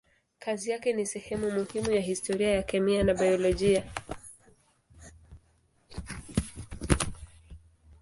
Kazi yake ni sehemu muhimu ya historia ya kemia na biolojia.